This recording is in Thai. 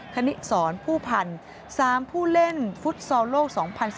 คณิสรผู้พันธ์๓ผู้เล่นฟุตซอลโลก๒๐๑๙